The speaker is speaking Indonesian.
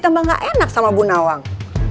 emang gak enak sama bu nawang